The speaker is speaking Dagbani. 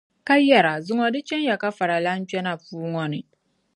Ka yɛra, zuŋɔ di chɛn ya ka faralana kpe na puu ŋɔ ni.